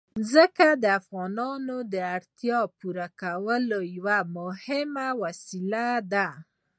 ځمکه د افغانانو د اړتیاوو د پوره کولو یوه مهمه وسیله ده.